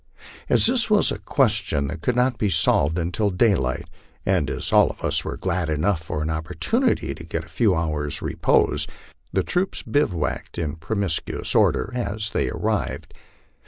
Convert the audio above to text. As this was a question that could not be solved until daylight, and as all of us were glad enough of an opportunity to get a few hours' repose, the troops bivouacked in promiscuous order as they arrived.